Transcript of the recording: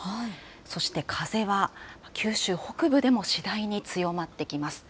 そして風は九州北部でも次第に強まってきます。